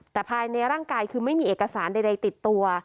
แต่ภายในร่างกายคือไม่มีเอกสารใดติดตัว